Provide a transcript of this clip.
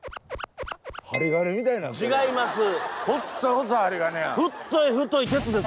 違います。